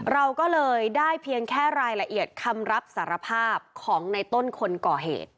เราก็เลยได้เพียงแค่รายละเอียดคำรับสารภาพของในต้นคนก่อเหตุ